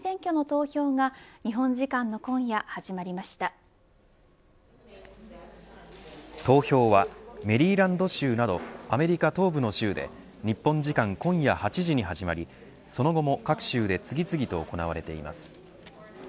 投票はメリーランド州などアメリカ東部の州で日本時間今夜８時に始まりその後も各州で次々と行われています。